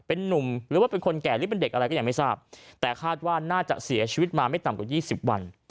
เป็นนุ่มหรือว่าเป็นคนแก่หรือเป็นเด็กอะไรก็ยังไม่ทราบแต่คาดว่าน่าจะเสียชีวิตมาไม่ต่ำกว่า๒๐วัน